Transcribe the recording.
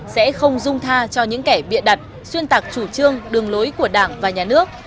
sẽ không dung tha cho những kẻ bịa đặt xuyên tạc chủ trương đường lối của đảng và nhà nước